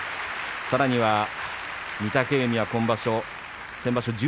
さらには御嶽海先場所